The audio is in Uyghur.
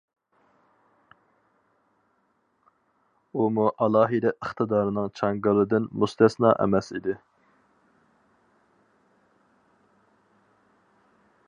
ئۇمۇ ئالاھىدە ئىقتىدارنىڭ چاڭگىلىدىن مۇستەسنا ئەمەس ئىدى.